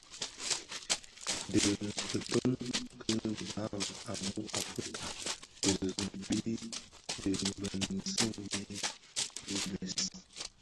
Dhi kitoň ki bhan mu u Africa Bizizig bii dhi binèsun bii bi bès.